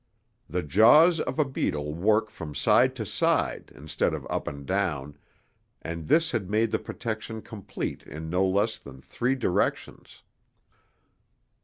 The jaws of a beetle work from side to side, instead of up and down, and this had made the protection complete in no less than three directions.